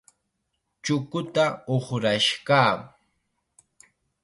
Chukuta uqrash kaa.